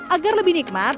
agar lebih nikmat